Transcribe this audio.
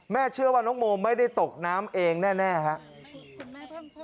เชื่อว่าน้องโมไม่ได้ตกน้ำเองแน่ครับ